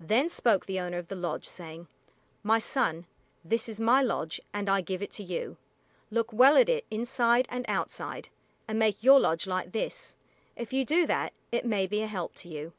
Then spoke the owner of the lodge saying, "My son, this is my lodge, and I give it to you. Look well at it inside and outside; and make your lodge like this. If you do that, it may be a help to you."